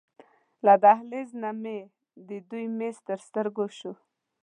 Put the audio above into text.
له دهلېز نه مې د دوی میز تر سترګو شو.